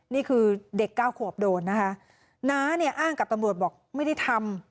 นี่คือเด็กเก้าขวบโดนนะคะน้าเนี่ยอ้างกับตำรวจบอกไม่ได้ทำ